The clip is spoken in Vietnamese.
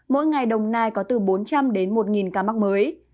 mỗi ngày đồng nai có từ bốn trăm linh đến một ca mắc mới